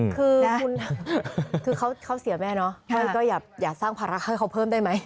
คือคุณคือเขาเสียแม่เนาะก็อย่าสร้างภาระให้เขาเพิ่มได้ไหม